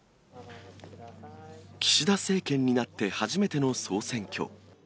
岸田政権になって初めての総選挙。